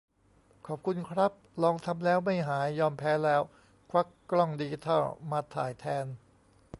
ขอบคุณครับ ลองทำแล้ว ไม่หาย : ยอมแพ้แล้ว ควักกล้องดิจิทัลมาถ่ายแทน